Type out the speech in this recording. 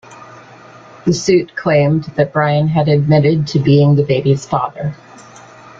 The suit claimed that Brian had admitted to being the baby's father.